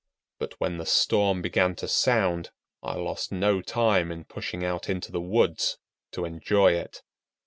But when the storm began to sound, I lost no time in pushing out into the woods to enjoy it.